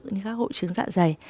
như các hộ trứng dạ dày